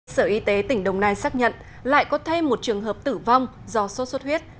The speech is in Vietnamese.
sở y tế tỉnh đồng nai xác nhận lại có thêm một trường hợp tử vong do sốt xuất huyết